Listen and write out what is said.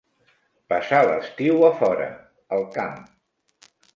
Passar l'estiu a fora, al camp.